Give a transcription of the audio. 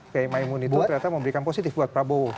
kiai maimun itu ternyata memberikan positif buat prabowo